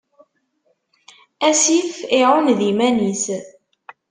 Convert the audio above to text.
Asif iɛuned iman-is.